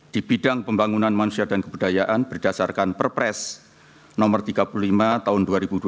di bidang pembangunan manusia dan kebudayaan berdasarkan perpres nomor tiga puluh lima tahun dua ribu dua puluh